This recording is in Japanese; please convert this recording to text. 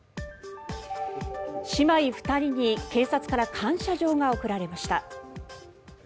姉妹２人に警察から感謝状が贈られました。